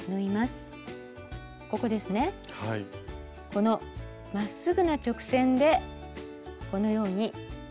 このまっすぐな直線でこのように。